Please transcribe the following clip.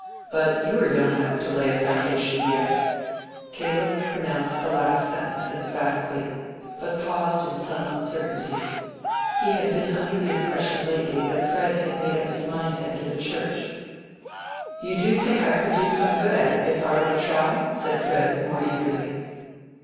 But you are young enough to lay a foundation yet." Caleb pronounced the last sentence emphatically, but paused in some uncertainty. He had been under the impression lately that Fred had made up his mind to enter the Church. "You do think I could do some good at it, if I were to try?" said Fred, more eagerly.